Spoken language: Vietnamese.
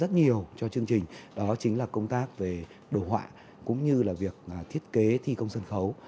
rất nhiều cho chương trình đó chính là công tác về đồ họa cũng như là việc thiết kế thi công sân khấu